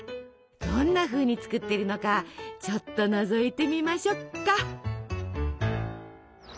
どんなふうに作っているのかちょっとのぞいてみましょっか。